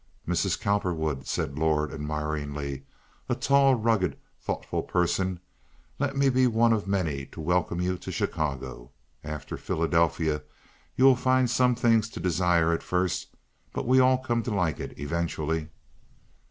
"Mrs. Cowperwood," said Lord, admiringly—a tall, rugged, thoughtful person—"let me be one of many to welcome you to Chicago. After Philadelphia you will find some things to desire at first, but we all come to like it eventually."